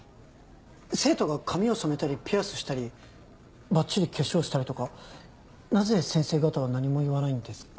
生徒が髪を染めたりピアスしたりばっちり化粧したりとかなぜ先生方は何も言わないんですか？